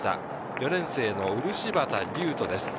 ４年生の漆畑瑠人です。